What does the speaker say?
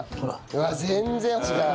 うわっ全然違う。